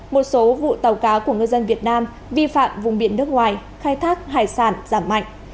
một số vụ tàu cá của ngư dân việt nam vi phạm vùng biển nước ngoài khai thác hải sản giảm mạnh